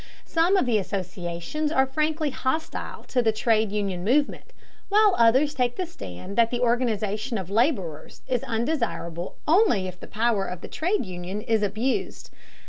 Some of the associations are frankly hostile to the trade union movement, while others take the stand that the organization of laborers is undesirable only if the power of the trade union is abused.